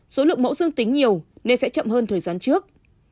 số lượng mẫu dương tính nhiều nên sẽ chậm hơn thời gian trước